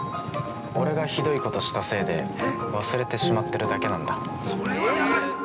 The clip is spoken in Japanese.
俺がひどいことしたせいで忘れてしまってるだけなんだ。